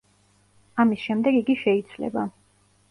ამის შემდეგ იგი შეიცვლება.